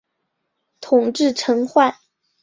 统制陈宧。